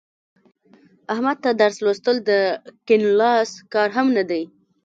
احمد ته درس لوستل د کیڼ لاس کار هم نه دی.